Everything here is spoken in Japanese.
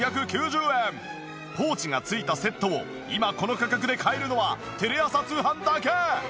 ポーチが付いたセットを今この価格で買えるのはテレ朝通販だけ！